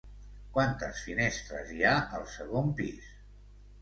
Quantes finestres hi ha al segon pis?